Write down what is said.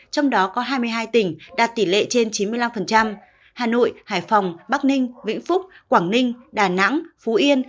trong đó có hai mươi hai tỉnh đạt tỷ lệ trên chín mươi năm hà nội hải phòng bắc ninh vĩnh phúc quảng ninh đà nẵng phú yên